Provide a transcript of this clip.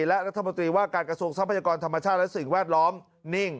และรัฐมนตรีว่าการกระทรวงทรัพยากรธรรมชาติและสิ่งแวดล้อมนิ่ง